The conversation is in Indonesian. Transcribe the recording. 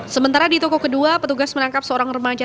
sementara di toko kedua petugas menangkap seorang remaja